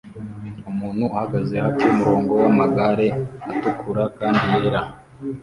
Umuntu ahagaze hafi yumurongo wamagare atukura kandi yera